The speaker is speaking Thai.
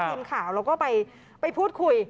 เป็นข่าวแล้วก็ไปพูดคุย